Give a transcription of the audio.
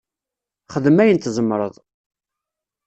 Xdem ayen tzemreḍ.